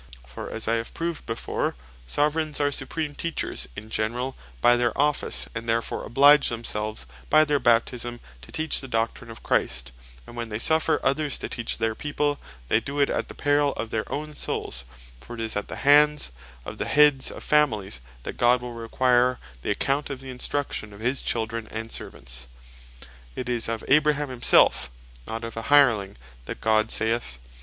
For as I have proved before, Soveraigns are supreme Teachers (in generall) by their Office and therefore oblige themselves (by their Baptisme) to teach the Doctrine of Christ: And when they suffer others to teach their people, they doe it at the perill of their own souls; for it is at the hands of the Heads of Families that God will require the account of the instruction of his Children and Servants. It is of Abraham himself, not of a hireling, that God saith (Gen. 18.